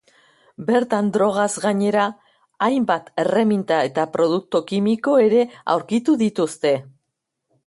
Bertan, drogaz gainera, hainbat erreminta eta produktu kimiko ere aurkitu dituzte.